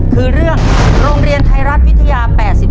คือเรื่องโรงเรียนไทยรัฐวิทยา๘๔